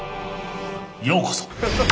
ようこそ！